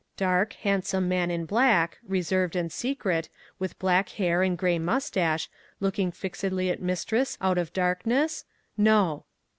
Dark, handsome man in black, reserved and secret, with black hair and grey moustache, looking fixedly at mistress out of darkness?—no.